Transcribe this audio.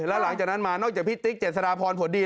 และหลังจากนั้นมานอกจากพี่ตริกเจ็ดสรภอนผลดี